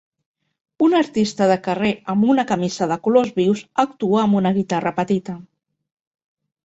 Un artista de carrer amb una camisa de colors vius actua amb una guitarra petita.